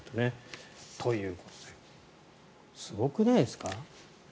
ということですごくないですか？